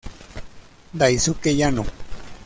Daisuke Yano